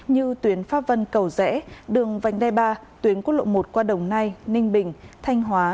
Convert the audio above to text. như tuyến pháp vân cầu rẽ đường vành đai ba tuyến quốc lộ một qua đồng nai ninh bình thanh hóa